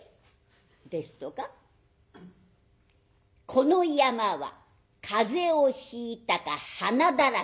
「この山はかぜをひいたかはなだらけ」。